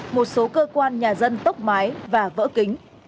một số cơ quan nhà dân tốc mái và vỡ kính